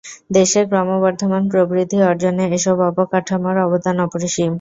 দেশের ক্রমবর্ধমান প্রবৃদ্ধি অর্জনে এসব অবকাঠামোর অবদান অপরিসীম।